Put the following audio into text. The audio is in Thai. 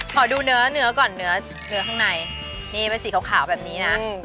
ขอดูเนื้อเนื้อก่อนเนื้อข้างในนี่เป็นสีขาวแบบนี้นะ